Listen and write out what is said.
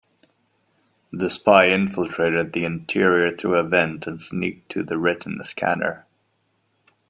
The spy infiltrated the interior through a vent and sneaked to the retina scanner.